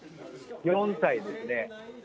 ４歳ですね。